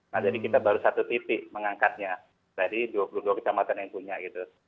nah jadi kita baru satu tipik mengangkatnya dari dua puluh dua kecamatan yang punya gitu